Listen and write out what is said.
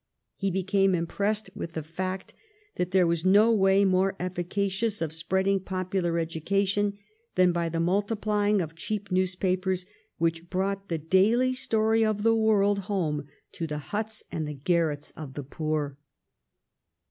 He became impressed with the fact that there was no way more efficacious of spreading popular education than by the multiplying of cheap newspapers which brought the daily story of the world home to the huts and the garrets of the poor.